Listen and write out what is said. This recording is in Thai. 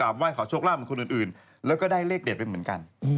กลับไหวขอโชคร่าบกับคนอื่นแล้วก็ได้เลขเด็ดเป็นเหมือนกัน